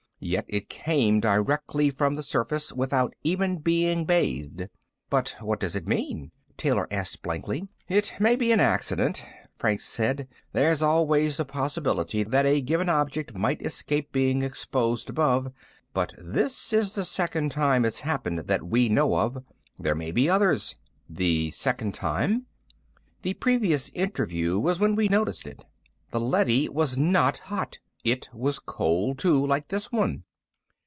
Yet it came directly from the surface, without even being bathed." "But what does it mean?" Taylor asked blankly. "It may be an accident," Franks said. "There's always the possibility that a given object might escape being exposed above. But this is the second time it's happened that we know of. There may be others." "The second time?" "The previous interview was when we noticed it. The leady was not hot. It was cold, too, like this one."